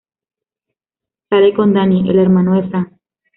Sale con Dani, el hermano de Fran.